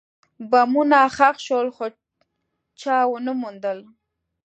بمونه ښخ شول، خو چا ونه موندل.